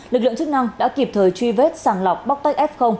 lực lượng chức năng đã kịp thời truy vết sàng lọc bóc tách f